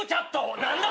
何だ！？